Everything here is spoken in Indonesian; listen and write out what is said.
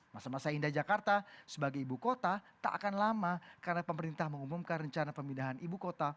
masa masa indah jakarta sebagai ibu kota tak akan lama karena pemerintah mengumumkan rencana pemindahan ibu kota